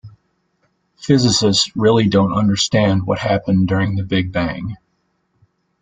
Physicists really don't understand what happened during the big bang